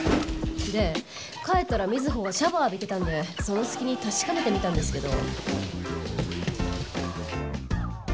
で帰ったら瑞穂がシャワー浴びてたんでその隙に確かめてみたんですけど。